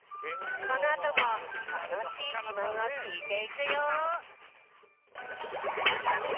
このあともたのしいじまんをきいていくよ！